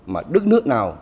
mà đất nước nào